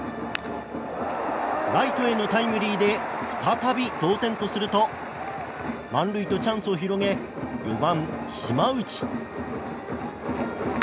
ライトへのタイムリーで再び同点とすると満塁とチャンスを広げ４番、島内。